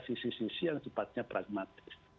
sisi sisi yang sifatnya pragmatis